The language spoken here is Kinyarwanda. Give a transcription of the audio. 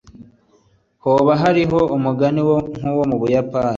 hoba hariho umugani nk'uwo mu buyapani